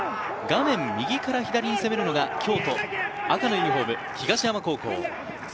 画面右から左に攻めるのが、京都、赤のユニホーム・東山高校。